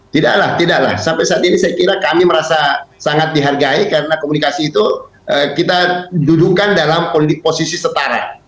tidak lah tidaklah sampai saat ini saya kira kami merasa sangat dihargai karena komunikasi itu kita dudukkan dalam posisi setara